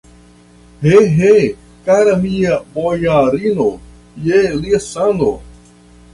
He, he, kara mia bojarino, je lia sano!